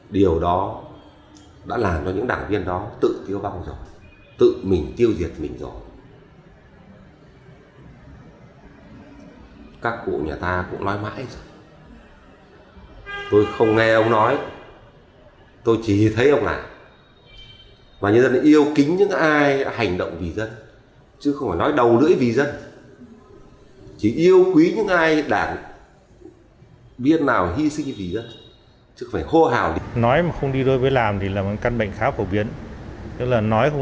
tức là nói không đi đôi với làm thì là một căn bệnh khá phổ biến tức là nói không đi đôi với làm thì là một căn bệnh khá phổ biến